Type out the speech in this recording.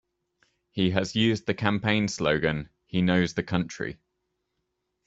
He has used the campaign slogan, He knows the country.